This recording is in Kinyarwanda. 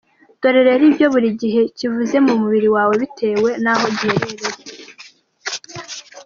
Dore rero icyo buri giheri kivuze ku mubiri wawe bitewe n’aho giherereye.